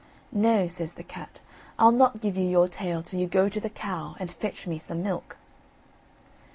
"No," says the cat, "I'll not give you your tail, till you go to the cow, and fetch me some milk."